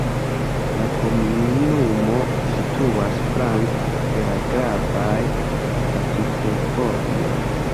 La komunumo situas flanke de la gravaj trafikvojoj.